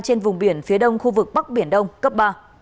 trên vùng biển phía đông khu vực bắc biển đông cấp ba